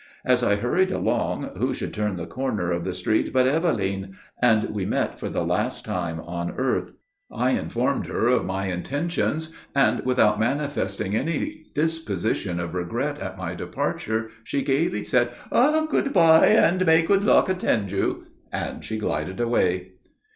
As I hurried along, who should turn the corner of the street but Eveline, and we met for the last time on earth. I informed her of my intentions, and, without manifesting any disposition of regret at my departure, she gaily said: "'Good bye, and may good luck attend you,' and she glided away.